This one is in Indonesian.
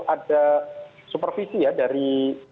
ada supervisi ya dari